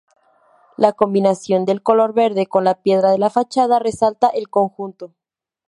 La combinación del color verde con la piedra de la fachada resalta el conjunto.